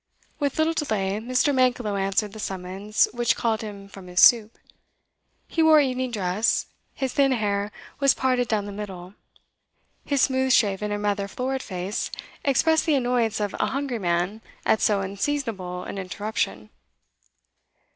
With little delay, Mr. Mankelow answered the summons which called him from his soup. He wore evening dress; his thin hair was parted down the middle; his smooth shaven and rather florid face expressed the annoyance of a hungry man at so unseasonable an interruption.